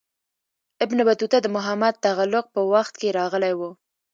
ابن بطوطه د محمد تغلق په وخت کې راغلی و.